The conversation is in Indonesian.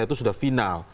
itu sudah final